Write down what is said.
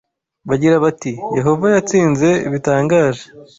bagira bati Yehova yatsinze bitangaje.